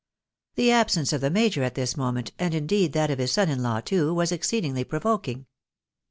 The absence of the major at this moment, and indeed that of Ms son in law too, was exceedingly provokiug.